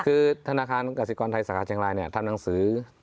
คือธนาคารกาศิกรไทยศาสตร์เชียงรายทำหนังสือ